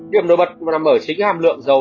điểm nối bật là mở chính hàm lượng dầu